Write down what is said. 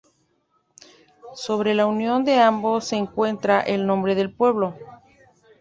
Sobre la unión de ambos se encuentra el nombre del pueblo.